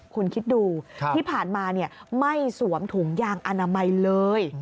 คุณคิดดูที่ผ่านมาไม่สวมถุงยางอนามัยเลย